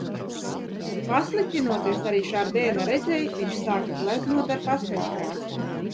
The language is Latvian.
Pasliktinoties arī Šardēna redzei, viņš aizsāka gleznot ar pasteļkrāsām.